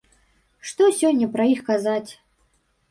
Што сёння пра іх казаць?